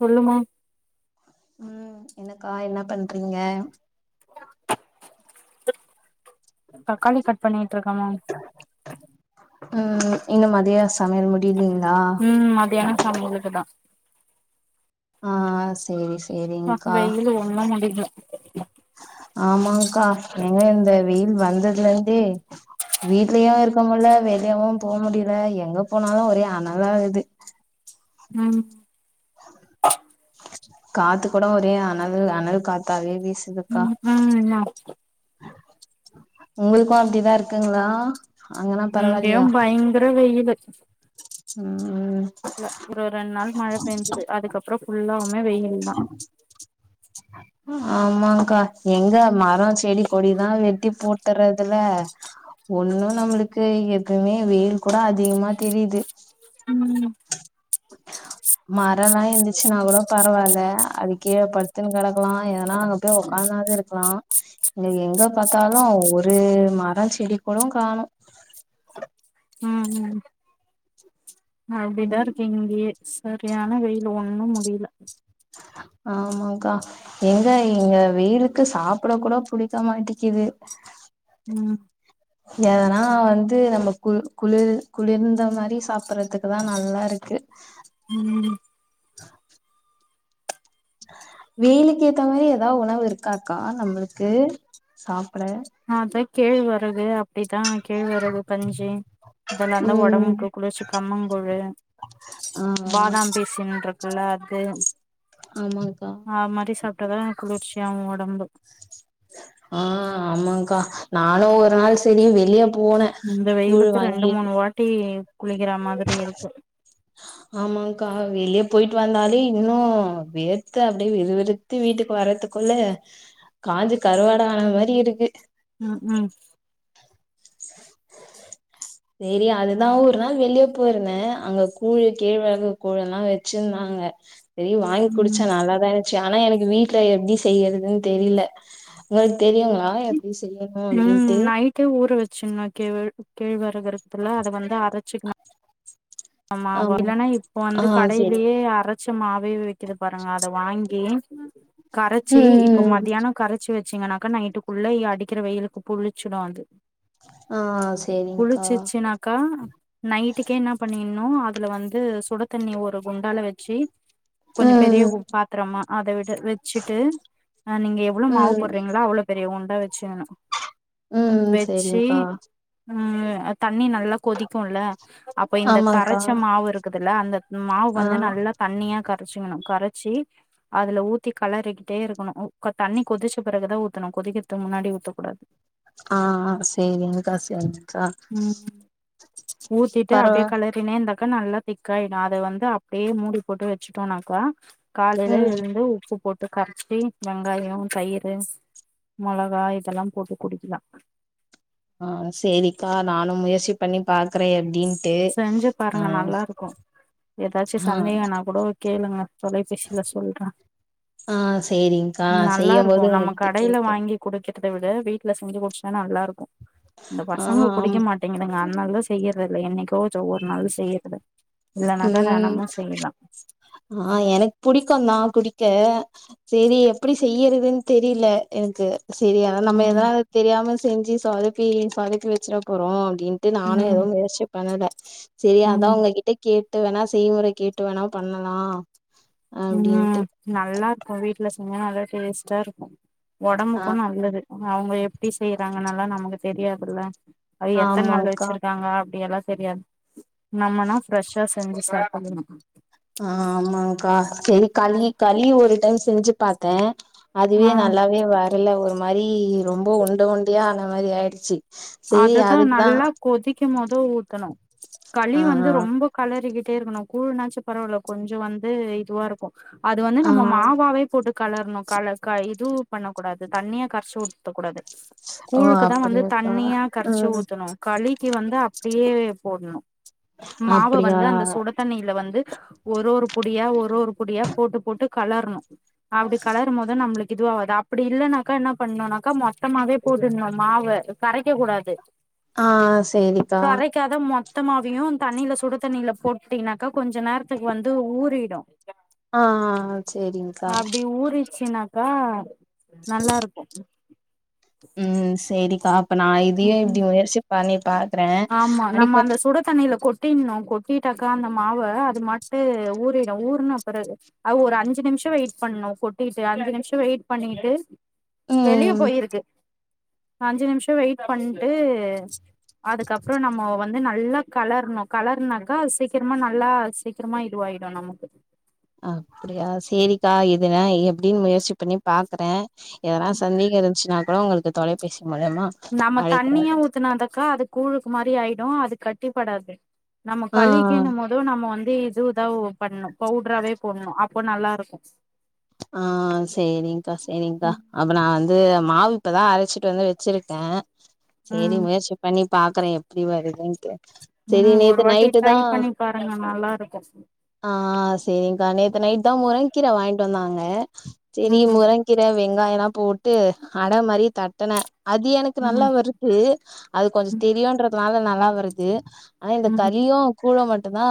சொல்லுமா ம் என்னக்கா என்ன பண்றீங்க தக்காளி கட் பண்ணிட்ருக்கம்மா ம் இந்த மதிய சமைல் முடிய்லிங்லா ம் மதியான நம்மளுக்குதா அ சேரி அப்பா சேரிங்க்கா வெயில் ஒண்ணு முடியல ஆமாங்க்கா எங்க இந்த வெய்யில் வந்ததுலேந்து வீட்லியு இருக்க முடில வெளியவு போ முடிய்ல எங்க போனாலு ஒரே அனலாவுது ம் காத்து கூட ஒரே அனல் அனல் காத்தாவே வீசுது ம் ஹு இன்னா உங்களுக்கு அப்டிதா இருக்குங்ளா இங்யு பயங்ர வெயிலு ம் ஒரு ரெண்டு நாள் மழ பெஞ்சிது அதுக்கப்ற ஃபுல்லா ஆமாக்கா எங்க மரோ செடி கொடிதா வெட்டி போட்டுறதுல ஒண்ணு நம்மளுக்கு எப்புமே வெயில் கூட அதிகமா தெரியிது ம் மா லாம் இருந்திரிச்சி நா கூட பா பரவால்ல அதுகில்ல படுத்துன்னு கெடக்கலா இல்லன்னா அங்க போய் உக்காந்தாது இருக்கலா இங்க எங்க பாத்தாலு ஒரு மரோ செடி கூட காணோ ம்ம் ம்ம் அப்டிதா ம் இருக்கு இங்கயே சரியான வெயிலு ஒண்ணு முடில ஆமாக்கா எங்க எங்க வெயிலுக்கு சாப்ட கூட புடிக்க மாடிங்குது ம் எதனா வந்து நம்ம கு குளிர் குளிர்ந்த மாரி சாப்ட்றதுக்குதா நல்லா இருக்கு ம்ம் வெயிலுக்கு ஏத்த மாரி ஏதா உணவு இருக்காக்கா நம்மளுக்கு சாப் அதா கேழ்வ து அப்டித்தா கேழ்வரகு கஞ்சி இதல்லா ஆ தா ஒடம்புகு குளிர்ச்சி கம்மங்கூழு பாதாம் பீசின்ற க்குல அது ஆமாங்க்கா ஆ மாரி சாப்ட்டா தா குளிர்ச்சியாகு ஒடம்பு ஆஹ் ஆமாங்க்கா நானு ஒரு நாள் செரி வெளிய போனே இந்த வெயிலுக்கு ரெண்டு மூணு வாட்டி குளிக்கிற மாதிரி இருக்கு ஆமாக்கா வெளியே போயிட் வந்தாலே இன்னு வேர்த்த அப்டியே வுவிருத்து வீட்டுக்கு வர்றதுக்குள்ள காஞ்சு கருவாடன மாரி இருக்கு உம் உம் சேரி அதுதா ஒரு நாள் வெளியே போயிருந்தே அங்க கூழ் கேழ்வரகு கூலுல்லா வெச்சுருந்தாங்க செரி வாங்கி குடிச்சா ம் நல்லா தா இரு ச்சு ஆனா எனக்கு வீட்ல எப்டி செய்யறதுன்னு தெரில உங்களுக்கு தெரியுங்களா செய்யணு உம் அப்டின்ட்டு நைட்டே ஊற வெச்சுனு கேழ் கேழ்வரக அதல்ல அத வந்து அரச்சுக்கணு ஆமா இல்லன்னா இப்போ ஆ வந்து செரி கடையிலேயே அரச்ச மாவே விக்கிது பாருங்க அத வாங்கி ம் கரச்சு இப்ப ம் மத்தியானம் கரச்சு வெச்சிங்கன்னாக்கா நைட்டுக்குள்ள அடிக்கிற வெயிலுக்கு புளிச்சிடு அது ஆ செரிங்க்கா புளிச்சிச்சனாக்கா நைட்டுக்கேன பண்ணிடனு அதுல வந்து சுட தண்ணி ஒரு குண்டால வச்சு கொஞ்சொ பெரிய ம் கு பாத்ரமா அத விட் டு வச்சுட்டு அ நீங்க எவ்ளோ மாவு ம் போடுறீங்களா அவ்ளோ பெரிய ஒ டா வச்சுக்கணு உம் சரிங்க்கா உம் தண்ணி நல்லா கொதிக்குல்ல இப்ப இந்த ஆமாங்க்கா கரச்ச மாவு இருக்குதுல்ல அந்த மாவு ஆ வந்து நல்லா தண்ணியா க ரச்சிக்கணு கரச்சி அதுல ஊத்தி கலறக்கிட்டே இருக்கணு தண்ணி கொதிச்ச பெறகுதா ஊத்தணு கொதிக்கற்துக்கு முன்னாடி ஊத்தக்கூடாது ஆஹ் அ சரிங்கக்க சர் உம் ஊத்திட்டு அப்டியே பரவா களறினேந்தா க்க நல்லா திக்காயிடு அத வந்து அப்படியே மூடி போட்டு வச்சுட்டோனாக்கா காலையில ம் எழுந்து உப்பு போட் டு கரச்சி வெங்காயம் தயிர் மொளகா இதெல்லாம் போட்டு குடிக்கலா ஆஹ் சரிக்கா நானு முயற்சி பண்ணி பாக்குறே எப்டின் செஞ்சு பாருங்க நல்லா இருக்கு எதாச்சு ஆ சந்தேகனா கூட கேளுங்க தொலைபேசியில சொல்ற ஆ செரிங்க்கா நல்லா செய்யும் இருக்கு போது நம்ம உங்ககிட்ட கடையில கேக்குறே வாங்கி குடிக்க றத விட வீட்ல செஞ்சு குடிச்சன்னா நல்லாருக்கு இந்த ஆ பசங்க ஆம் குடிக்க மாட்டேங்குதுங்க அதனாலதா செய்யறதில்ல என்னைக் போது ஒரு நாள் செய்யறது இல்லனாக்கா உம் தெனமு செய்யலா ஆஹ் எனக்கு புடிக் க்குந்தா குடிக்க சரி எப்படி செய்யறதுன்னு தெரியல எனக்கு சரியா நம்ம ம் எதனாது தெரியாம செஞ்சு சொதப்பி சொதப்பி வச்சுற போறோ டின்ட்டு நானு எதுவு ம் முயற்சி பண்ணல சரி அதான் ம் உங்ககிட்ட கேட்டு வேணா செய்முறை கேட்டு வேணா பண்ணலா அப்டின்ட்டு உம் நல்லா இருக்கும் வீட்டுல ரொம்ப நல்லா டேஸ்ட்டா இருக்கு ஆ ஒடம்புக்கு நல்லது. அவங்க எப்படி செய்யறாங்கன்னல்லா நமக்கு தெரியாதுல்ல அது எத்தன நாள் ஆமாங்க்கா வச்சிருக்காங்க அப்படியெல்லா தெரியாது நம்மனா ஃப்ரெஷ்ஷா செஞ்சு சாப்புடணு ஆ ஆமாங்க்கா சேரி களி களி ஒரு டைம் செஞ்சு பாத்த ஆ அதுவே நல்லாவே வரல ஒரு ஒரு மாரி ரொம்பொ உர்ண்ட உண்டயா ஆன மாரி ஆயிடுச்சு சேரி அதுதான் அதுக்குதா நல்லா கொதிக் க மொத ஊத்தணும் களி ஆ வந்து ரொம்ப கலறிகிட் டே இருக்கணும் கூழ்னாச்சு பரவால்ல கொஞ்சோ வந்து இதுவா இருக்கும் அது வந்து ஆ நம்ம ஆ மாவாவே கொடு கலரணும் கல இது பண்ண கூடாது தண்ணியா கரச்சு ஊத்த கூடாது ஓ அப்படியா தண்ணியா கரைச்சு ஊத்தணும் களிக்கு வந்து அப் அப்டியே போடணும் மாவ அப்படியா வந்து அந்த சுட தண்ணில வந்து ஒரு ஒரு புடியா ஒரு ஒரு புடியா போட்டு போட்டு கலரணும் அப்டி கலரும் போது நம்மளுக் இதுவ ஆவாது அப்டி இல்லனாக்க என்னா பண்ணனுனாக்க மொத்தமாவே போட்டுருணும் மாவ கரைக்க கூடாது ஆஹ் சேரிக்கா. மொத்த மாவையும் தண்ணில சுடு தண்ணில போட்டீங்கனாக்கா கொஞ்ச நேரத்துக்கு வந்து ஊறிடும் ஆஹ் ஆஹ் ஆஹ் சேரிங்க்கா ச்சின்னாக்க நல்லாருக்கும். உம் சேரிக்கா. இப்ப நான் இதயு இப்டி முயற்சிப்பண்ணி பாக்குறேன் ஆமா நம்ம அனிப்ப அந்த சுட தண்ணில கொட்டிட்ணு கொட்டிட்டாக்கா அந்த மாவ அது மாட்டு ஊறிடும் ஊருன்ன பிறகு அது ஒரு அஞ்சு நிமிஷம் வெயிட் பண்ணும் கொட்டிட்டு அஞ்சு நிமிஷம் வெயிட் பண்ணிட்டு வெளிய ம் போயிருக்கு அஞ்ச நிமிஷோ வெய்ட் பண்ட்டு அதுக்கப்புறம் நம்மோ வந் வந்து நல்லா கலரணும் கலர்னாக்கா சீக்கிரமா நல்லா சீக்கிரமா இதுவாயிடும் நமக்கு அப்டியா சேரிக்கா இதுனே எப்டின்னு முயற்சி பண்ணி பாக்குறேன் எதுனா சந்தேகம் இருந்ச்சுன்னா னா உங்களுக்கு தொலைபேசி மூலியமா நம்ம அழைக்கிறே தண்ணியா ஊத்தினாந்தக்கா அது கூழுக்கு மாரி ஆயிடும் அது கட் ட்டிப்படாது நம்ம ஆ கழிக்கின்னும் போதும் நம்ம வந் இ இதுதா பண்ணும் பவுடராவே போட்ணும் அப்போ நல்லாருக்கு ஆஹ் சேரிங்க்கா சேரிங்க்கா ம் அப்ப நா வந்து மாவ் இப்பதா அரைச்சிட்டு வந்து வச்சிருக்கே சரி ம் முயற்சி பண்ணி பா பாக்கறேன் எப்படி வருதுண்டு சரி ம் ஒரு நேத்து வாட்டி நைட்டு தா ட்ரை பண்ணி பாருங்க நல்லா இருக்கு ஆஹ் சரி்கா நேத்து நைட் முருக கீர வாங்கிட்டு வந்தாங்க ஆ சேரி ம் முருங்ககீர வெங்காயம்ல்லாம் போட்டு அட மாதிரி தட்டனே அது எனக்கு நல்லா ம் வருது அது கொஞ்சம் ம் தெரியும்ன்றதுனால ந நல்லா வருது ஆனா இந்த ம் கலியும் கூட மட்டும் தா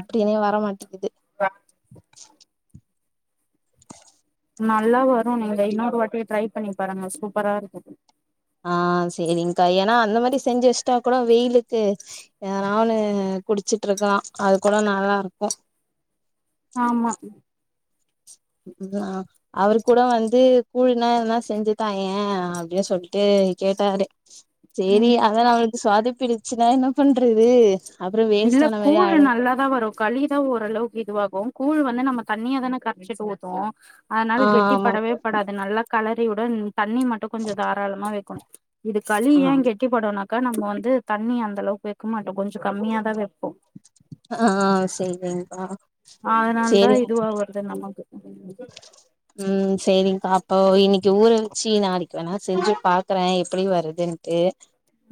எப்படனே வரமாட்டேங்கது [inaudible] நல்லா வரும் நீங்க இன்னொரு வாட்டி ட்ரை பண்ணி பாருங்க சூப்பரா இருக்கு ஆஹ் சரி்கா ஏன்னா அந்த மாதிரி செஞ்சு வச்சுட்டா கூட வெயிலுக்கு நாவன்னு குடிச்சுட்டு இருக்கலாம் அது கூட நல்லா இருக்கும் ஆமா அவரு கூட வந்து கூல்னா என்னா செஞ்சுதா ஏ அப்படியே சொல்லிட்டு கேட்டாரு ம் சரி அதால அவனுது சுவாதி பிடிச்சுன்னா என்ன பண்றது அப்றோ இல்ல வேஸ்ட்டான மாரி கூழ் ஆயிடு நல்லாதா வரும் களிதா ஓரளவுக்கு இதுவாகும் கூழ் வந்து நம்ம தண்ணியா தானே கரச்சிட்டு ஊத்வோ ஆ அதனால கெட்டி படவே ஆமாப்பா படாது நல்லா கலர் உடன் தண்ணி மட்டும் கொஞ்ச தாராளமா வைக்கணு இது களி ஆ ஏன் கெட்டிப்படுனா நம்ம வந்து தண்ணி அந்த அளவுக்கு வைக்க மாட்டோம் கொஞ்ச கம்மியா [unintelligible] ஆ செரி்கா அதனால தா செரி இதுவா வருது நமக்கு உம் செரி்ங்கா அப்போ இன்னைக்கு ஊற வச்சு நாளைக்கு வேணா செஞ்சு பாக்குறேன் எப்படி வருதுன்ட்டு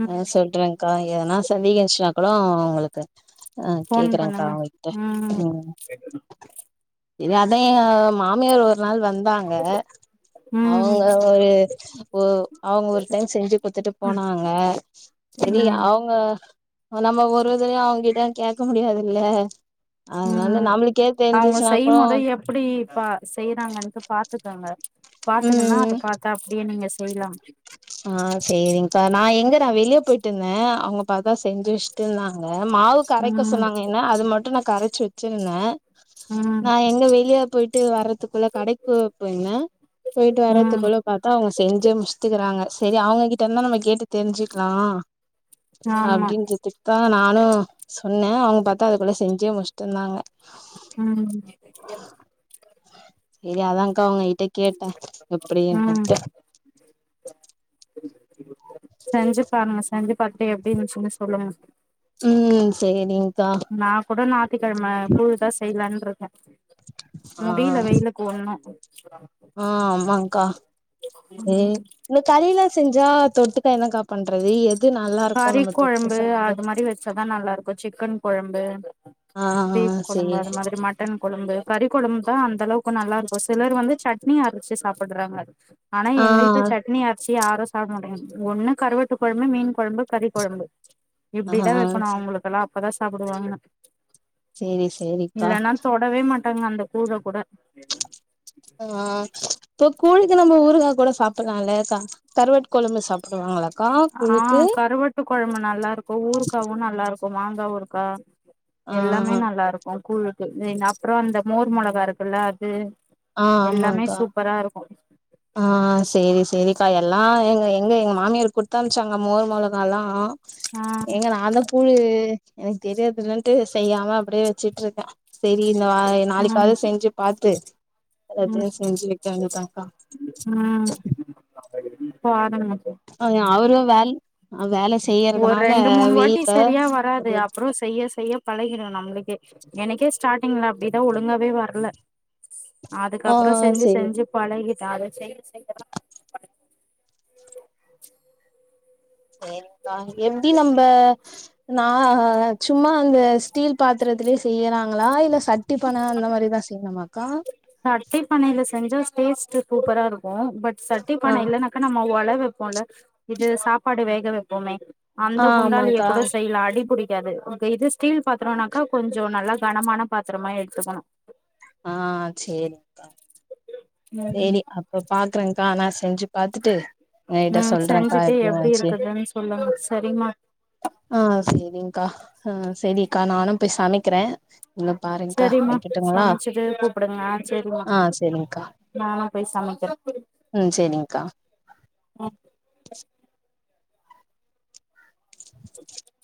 ம் ஆ சொல்றேன்கா எதனா [unintelligible] சந்தேகச்சுனா உங்களுக்கு க [unintelligible] ஆ ஃபோன் கேக்குறேங்க்கா பண்ணுங்க அவுங்கங்ககிட்ட ம் இது எதையு மாமியார் ஒரு நாள் வந்தாங்க ம் அவங்க ஒரு அவங்க ஒரு டைம் செஞ்சு கொடுத்துட்டு போனாங்க செரி ம் அவங்க நம்ம ஒருதுரையும் அவங்கிட்ட கேட்க முடியாதுல்லே அதனால ம் நம்மளுக்கே அவங்க தெரிஞ்ச்சினாக்கோ செய்யும் போது எப்டி பா செய்யறாங்கன்ட்டு பாத்துக்காங்க பாத்துங்கன்னா ம் அதை பாத்தா அப்டியே நீங்க செய்லாம் ஆ செரி்ங்கா நான் எங்கடா வெளியே போயிட்டு இருந்தேன் அவங்க பா செஞ்சு வச்சட்டு இருந்தாங்க மாவு கரைக்க ம் சொன்னாங்க என்ன அது மட்டும் நான் கரைச்சு வச் சின்ன ம் நான் எங்க வெளியே போயிட்டு வரறது த்துக்குள்ள கடைக்கு போயிருந்தே போயிட்டு ம் வர்றதுக்குள்ள பாத்தா அவங்க செஞ்சே முடிச்சிட்கிறாங்க செரி அவுங்க கிட்ட இருந்து தா நம்ம கேட்டு தெரிஞ்சிக்கலாம் ஆமா அப்பிடினறதுக்கு தான் நான் ன்னு சொன்னேன் அவுங்க பாத்தா அதுக்குள்ள செஞ்சே முடிச்சிருந்தாங்க ம் செரி அதான்கா அவுங்க செரி கேட்டே ம் எப்பிடியன்து செஞ்சு பாருங்க செஞ்சு பட்டைய எப்பிடின்னு சொல்லி சொல்லுங்க ம் செரி நான் கூட நா ஞாயிற்றுக்கிழமை கூழு தான் செய்யலானுருக்கேன் ஆ முடில வெயிலுக்கு ஒன்னும் ஆ ஆமாக்கா ம் இந்த கலில்லாம் செஞ்சா தொட்டுக்க என்னங்கா பண்றது நல்லா இருக்கு கறி நம்ம தொட்டு கொழம்பு சாப்பிட அது மாதிரி வச்சாதான் நல்லா இருக்கும் சிக்கன் கொழம்பு ஆ பீஃப் கொழம்பு சரி அது மாதிரி மட்டன் கொழம்பு கறி கொழம்பு தான் அந்த அளவுக்கு நல்லா இருக்கும் சிலர் வந்து சட்னி அரச்சு சாப்பிடுறாங்க ஆனா ஆ எங்க வீட்டுல சட்னி அரச்சி யாரும் சாப்பிட மாட்டாங்க ஒண்ணு கருவாட்டு கொழம்பு மீன் குழம்பு கறி குழம்பு ஆ இப்பிடிதா வைக்கணு அவங்களுக்கெல்லா அப்பதா சாப்பிடுவாங்க சேரி சேரிக்கா அங்க அந்த கூழ கூட ஆஹ் தூ கூழ்க்கு நம்ம ஊருகா கூட சாப்டலாம் ல தா கருவாட்டு கொழம்பு சாப்புடுவாங்களா ஆஹ் கருவாட்டு கெழம்பு நல்லா இருக்கு ஊர்காவு நல்லா இருக்கு இப்ப மாங்கா ஊர்கா ஆ எல்லாமே நல்லா இருக்கு கூழுக்கு அப்றோ இந்த மோர் மிளகா இருக்குல்ல அது எல்லாமே சூப்பரா இருக்கு ஆஹ் சேரி சேரிக்கா எல்லா எங்க எங்க மாமியார் குடுத்து அனும்ப்ச்சாங்க மோர் மொளகால்லா ஆ எங்க நாந்தா கூழு எனக்கு தெரியாதுலன்ட்டு செய்யாம ஆ அப்பிடியே வெச்சுட்டு இருக்க சேரி இந்த நா நாளிக்காது ம் செஞ்சு பாத்து அது செஞ்சு வைக்க வேண்டியந்தாங்க்கா உம் [unintelligible] அஹ அவரு வே ஒரு ரெண்டு மூணு வாட்டி சரியா வராது ஒரு அப்றோ செய்ய செய்ய பழகிறும் நம்மளுக்கு எனக்கே ஸ்டார்டில்ல அப் அப்பிடிதா ஒழுங்காவே வர்ல ஆ அதுக்கப்புறோ செஞ்சு சேரி செஞ்சு பழகி அத அதது செய்ய செய் சேரிக்கா எப்டி நம்ம நா சும்மா அந்த ஸ்டீல் பாத்திரத்துல செய்யலா ங்களா இல்ல சட்டிட பான அந்த மாரி தா செய்யணுமா அக்கா செஞ்ச டேஸ்ட் சூப்பரா இருக்கு பட் சட்டி ஆ பான இல்லனாக்கா நம்ம உழவு போல இது சாப்பாடு வேகவைப்பபோமே அந்த ஆ குண்டாளிய ஆமாக்கா கூட செய்யலா அடிபுடி க்காது உன்கு இது ஸ்டீல் பாத்திரம்னாக்கா கொஞ்சோ நல்லா கனமான பாத்திரமா எடுத்துக்கணும் ஆஹ் செரிங்க்கா செரி அப்ப பாக்குறேங்க்கா நான் செஞ்சு பாத்துட்டு ம் என்ட்ட ம் சொல்றேகா செஞ்சுட்டு எப்படி எப்டி வந்துச்சு இருக்குதுன்னு சொல்லுங்க சரிமா ஆஹ் செரிங்க்கா ஆஹ் செரிக்கா நானும் போய் சமைக்கிறேன் செரிம்மா சமைச்சுட்டு கூப்பிடுங்க ஆ செரிம்மா ஆ நானா போய் சமைக்கிறேன் உம் செரிங்க்கா ஆ [unintelligible]